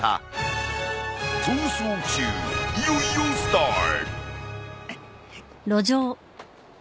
逃走中いよいよスタート！